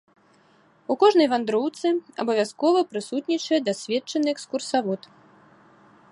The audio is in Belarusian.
У кожнай вандроўцы абавязкова прысутнічае дасведчаны экскурсавод.